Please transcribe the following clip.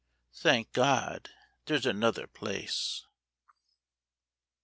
Thank God there's another place